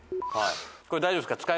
これ大丈夫ですか？